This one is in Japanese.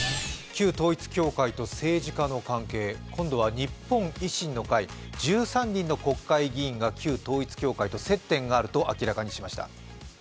旧統一教会と、政治家の関係、今度は日本維新の会１３人の国会議員が旧統一教会と接点があると明らかにしました。